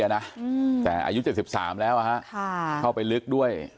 อ่ะนะอืมแต่อายุเจ็บสิบสามแล้วฮะค่ะเข้าไปลึกด้วย